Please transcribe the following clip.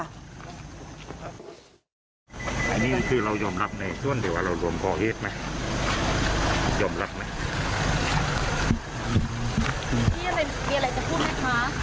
อันนี้คือเรายอมรับในช่วงเดี๋ยวเราหลวมพอเทศไหมยอมรับไหม